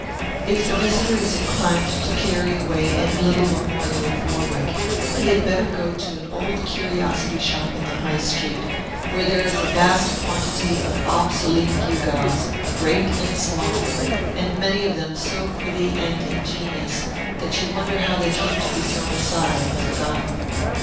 If the visitor is inclined to carry away any little memorial of Warwick, he had better go to an Old Curiosity Shop in the High Street, where there is a vast quantity of obsolete gewgaws, great and small, and many of them so pretty and ingenious that you wonder how they came to be thrown aside and forgotten.